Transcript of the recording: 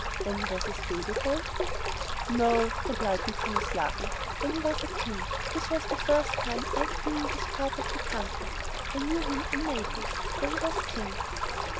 "When he was a stable boy?" "No," replied Vitalis, laughing, "when he was a king. This is the first time I have been in this part of the country. I knew him in Naples, where he was king."